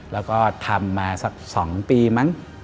แล้วก็ทำมาสัก๒ปีมั้ง